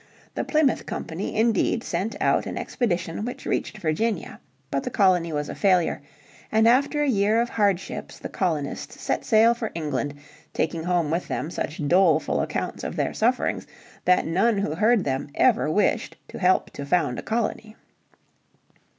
The Plymouth Company indeed sent out an expedition which reached Virginia. But the colony was a failure, and after a year of hardships the colonists set sail for England taking home with them such doleful accounts of their sufferings that none who heard them ever wished to help to found a colony.